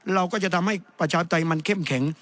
เราก็จะทำให้ประชาปไตยมันเข้มแข็ง